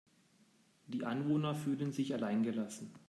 Die Anwohner fühlen sich allein gelassen.